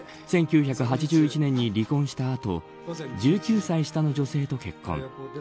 １９８１年に離婚した後１９歳下の女性と結婚。